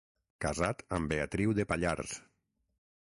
Casat amb Beatriu de Pallars.